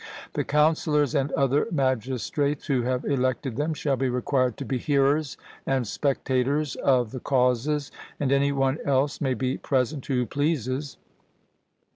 The councillors and other magistrates who have elected them shall be required to be hearers and spectators of the causes; and any one else may be present who pleases.